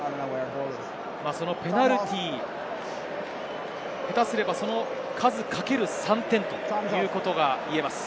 そのペナルティー、下手すれば、その数、掛ける３点ということが言えます。